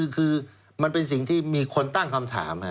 คือมันเป็นสิ่งที่มีคนตั้งคำถาม